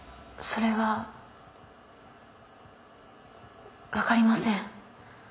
それは分かりません